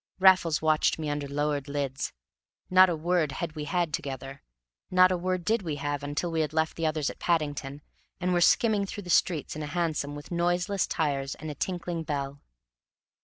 Raffles watched me under lowered lids. Not a word had we had together; not a word did we have until we had left the others at Paddington, and were skimming through the streets in a hansom with noiseless tires and a tinkling bell.